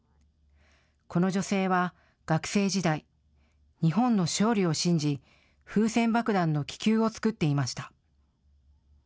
この女性は学生時代、日本の勝利を信じ風船爆弾の気球を作っていました。